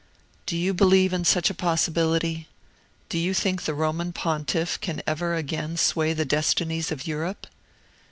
"Do you believe in such a possibility? Do you think the Roman pontiff can ever again sway the destinies of Europe?"